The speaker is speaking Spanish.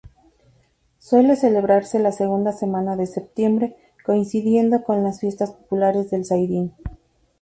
Suele celebrarse la segunda semana de septiembre coincidiendo con las fiestas populares del Zaidín.